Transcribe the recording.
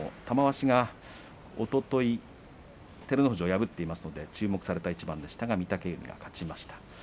玉鷲がおととい照ノ富士を破っていますので注目された一番でしたが御嶽海が勝ちました。